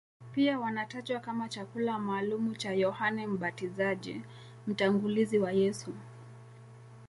Pia wanatajwa kama chakula maalumu cha Yohane Mbatizaji, mtangulizi wa Yesu.